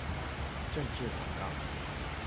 政治廣告